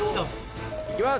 いきます！